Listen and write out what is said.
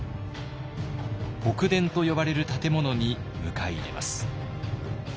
北殿と呼ばれる建物に迎え入れます。